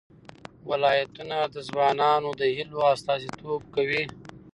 ولایتونه د ځوانانو د هیلو استازیتوب کوي.